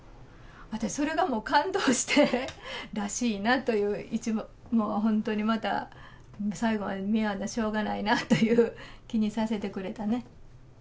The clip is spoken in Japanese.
私はそれがもう感動して、らしいなという、もう本当に、また最後まで見やなしゃあないなという気にさせてくれたね。